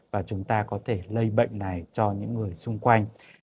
và chúng ta có thể lây bệnh này cho những người xung quanh